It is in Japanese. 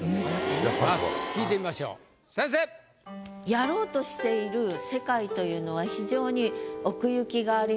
やろうとしている世界というのは非常に奥行きがありますね。